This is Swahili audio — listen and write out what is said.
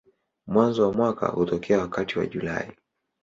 Mwanzo wa mwaka hutokea wakati wa Julai.